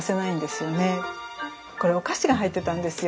これお菓子が入ってたんですよ。